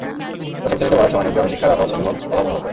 দশম শ্রেণিতে পড়ার সময় নিজ গ্রামে শিক্ষার আলোর অভাব অনুভব করেন।